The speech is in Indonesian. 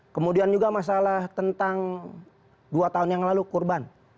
kemudian juga masalah tentang dua tahun yang lalu kurban